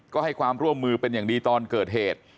ก็ให้ความร่วมมือเป็นอย่างดีตอนเกิดเหตุ